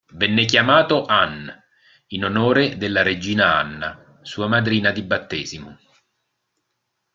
Venne chiamato Anne, in onore della regina Anna, sua madrina di battesimo.